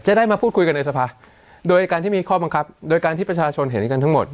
ได้มาพูดคุยกันในสภาโดยการที่มีข้อบังคับโดยการที่ประชาชนเห็นกันทั้งหมด